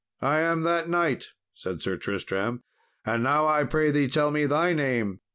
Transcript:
"I am that knight," said Sir Tristram, "and now I pray thee tell me thy name."